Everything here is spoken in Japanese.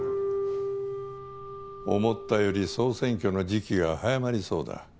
思ったより総選挙の時期が早まりそうだ。